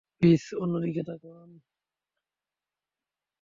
Please অন্যদিকে তাকান।